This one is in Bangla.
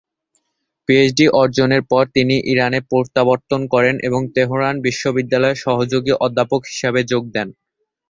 পিএইচডি অর্জনের পর তিনি ইরানে প্রত্যাবর্তন করেন এবং তেহরান বিশ্ববিদ্যালয়ে সহযোগী অধ্যাপক হিসেবে যোগ দেন।